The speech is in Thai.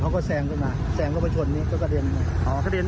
ขอบคุณครับ